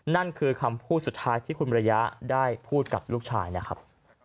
นั่นคือคำพูดสุดท้ายที่คุณระยะได้พูดกับลูกชายนะครับ